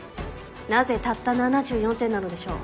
なぜたった７４点なのでしょう？